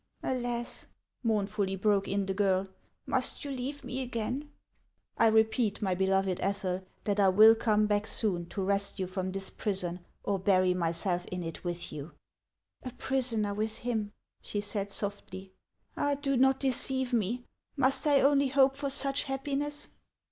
"Alas'" mournfully broke in the girl, "must you leave rne again ?"" I repeat, my beloved Ethel, that I will come back soon to wrest you from this prison or bury myself in it with you." "A prisoner with him!" she said softly. "Ah ! do not deceive me. Must I only hope for such happiness